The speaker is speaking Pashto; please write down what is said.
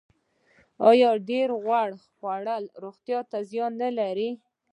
ایا د ډیر غوړ خوړل روغتیا ته زیان لري